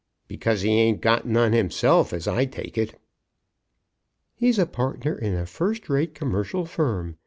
"Because he ain't got none himself, as I take it." "He's a partner in a first rate commercial firm.